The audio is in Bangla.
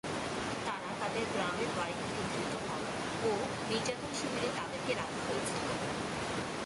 তারা তাদের গ্রামের বাড়ী থেকে ধৃত হন ও নির্যাতন শিবিরে তাদেরকে রাখা হয়েছিল।